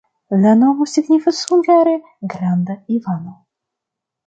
La nomo signifas hungare: granda Ivano.